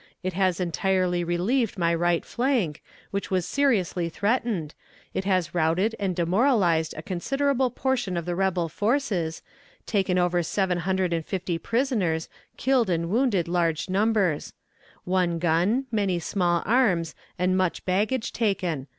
It has entirely relieved my right flank, which was seriously threatened, it has routed and demoralized a considerable portion of the rebel forces, taken over seven hundred and fifty prisoners, killed and wounded large numbers; one gun, many small arms, and much baggage taken.